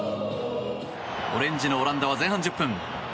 オレンジのオランダは前半１０分。